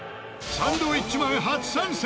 サンドウィッチマン初参戦